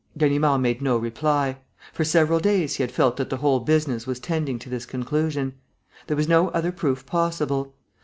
Ganimard made no reply. For several days he had felt that the whole business was tending to this conclusion. There was no other proof possible.